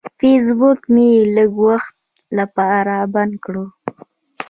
فیسبوک مې لږ وخت لپاره بند کړ.